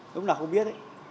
lúc nào cũng biết